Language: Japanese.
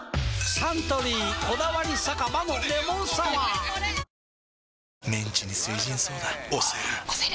サントリー「こだわり酒場のレモンサワー」推せる！！